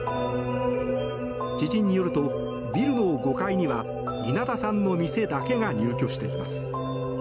知人によるとビルの５階には稲田さんの店だけが入居しています。